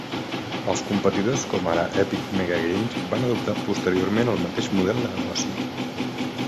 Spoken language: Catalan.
Els competidors com ara Epic MegaGames van adoptar posteriorment el mateix model de negoci.